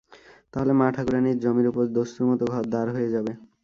তাহলে মা-ঠাকুরাণীর জমির উপর দস্তুরমত ঘর-দ্বার হয়ে যাবে।